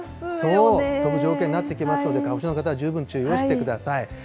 そう、飛ぶ条件になってきますので、花粉症の方は十分注意をしてください。